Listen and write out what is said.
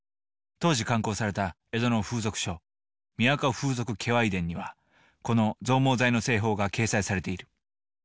当時刊行された江戸の風俗書「都風俗化粧伝」にはこの増毛剤の製法が掲載されている。